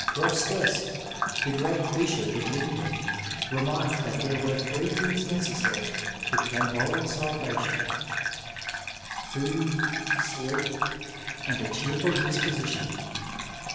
Grodsteste, the great Bishop of Lincoln, remarked that there were three things necessary for temporal salva tion—food, isileep and a cheerful diq)osition.